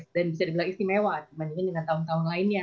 dan bisa dibilang istimewa dibandingkan dengan tahun tahun lainnya